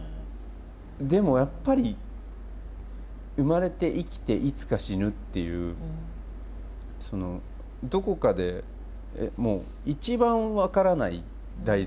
でもやっぱり生まれて生きていつか死ぬっていうどこかでもう一番分からない題材があるっていうか。